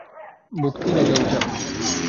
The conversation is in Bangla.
ভক্তি, নাকি অভিশাপ!